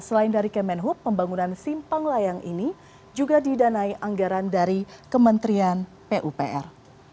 selain dari kemenhub pembangunan simpang layang ini juga didanai anggaran dari kementerian pupr